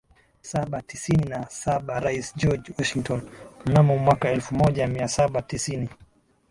saba tisini na sabaRais George Washington mnamo mwaka elfu moja mia saba tisini